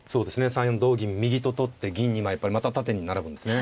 ３四同銀右と取って銀２枚また縦に並ぶんですね。